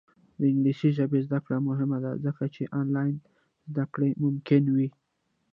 د انګلیسي ژبې زده کړه مهمه ده ځکه چې آنلاین زدکړه ممکنه کوي.